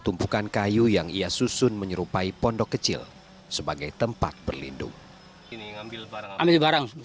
tumpukan kayu yang ia susun menyerupai pondok kecil sebagai tempat berlindung ini ngambil barang ada barang